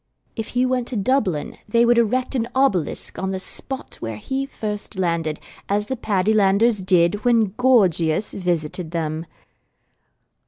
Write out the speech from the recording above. If he went to Dublin they would erect an obelisk on the spot where he first landed, as the Paddylanders did when Gorgius visited them.